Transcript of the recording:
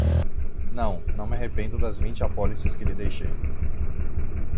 Não, não me arrependo das vinte apólices que lhe deixei.